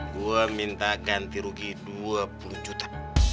gue minta ganti rugi dua puluh juta